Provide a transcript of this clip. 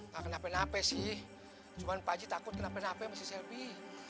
ga kenapa napa sih cuma pak haji takut kenapa napa sama si selby